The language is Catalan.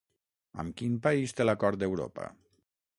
Amb quin país té l'acord Europa?